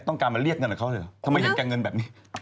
ต้องการมาเรียกเงินกับเขาเลยเหรอทำไมเห็นแก่เงินแบบนี้